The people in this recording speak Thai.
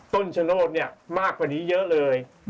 ชโนธเนี่ยมากกว่านี้เยอะเลย